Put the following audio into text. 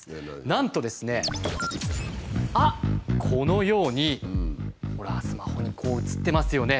なんとですねこのようにほらスマホにこう映ってますよね。